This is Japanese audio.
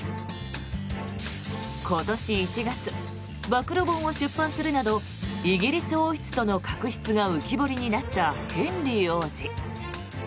今年１月、暴露本を出版するなどイギリス王室との確執が浮き彫りになったヘンリー王子。